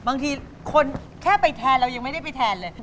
บางทีคนแค่ไปแทนเรายังไม่ได้ไปแทนเลย